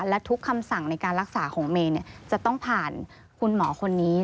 และทุกคำสั่งในการรักษาของเมย์จะต้องผ่านคุณหมอคนนี้